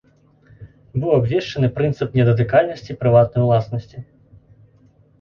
Быў абвешчаны прынцып недатыкальнасці прыватнай уласнасці.